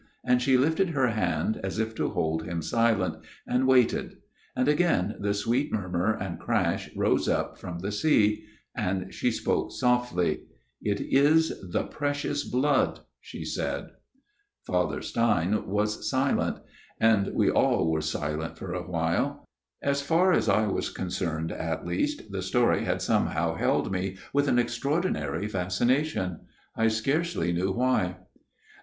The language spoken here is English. And she lifted her hand, as if to hold him silent ; and waited ; and again the sweet murmur and crash rose up from the sea ; and she spoke, softly. "' It is the Precious Blood,' she said." Father Stein was silent ; and we all were silent for a while. As far as I was concerned at least the story had somehow held me with an extraordinary fascination, I scarcely knew why.